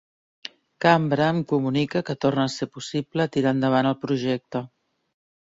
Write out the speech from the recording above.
Cambra em comunica que torna a ser possible tirar endavant el projecte.